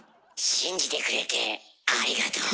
信じてくれてありがとう。